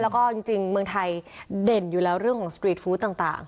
แล้วก็จริงเมืองไทยเด่นอยู่แล้วเรื่องของสตรีทฟู้ดต่าง